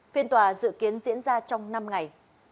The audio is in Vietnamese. phiên tòa dự kiến diễn ra trong năm ngày